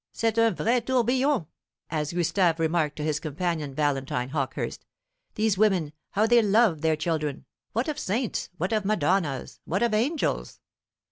"C'est un vrai tourbillon," as Gustave remarked to his companion Valentine Hawkehurst; "these women, how they love their children! What of saints, what of Madonnas, what of angels!"